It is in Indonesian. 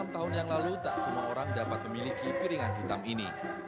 lima puluh enam tahun yang lalu tak semua orang dapat memiliki piringan hitam ini